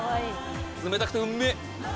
冷たくてうんめぇ。